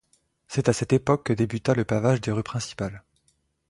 C'est à cette époque que débuta le pavage des rues principales.